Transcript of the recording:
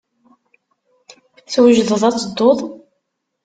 Twejdeḍ ad tedduḍ?